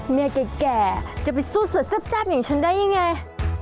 เมียแก่จะไปสู้สดแซ่บอย่างฉันได้ยังไง